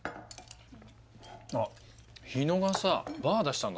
あっ日野がさバー出したんだって。